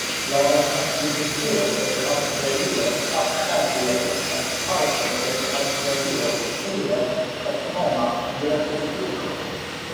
Laŭ la konstitucio de Kartvelio, Abĥazio estas parto de Kartvelio kiel aŭtonoma respubliko.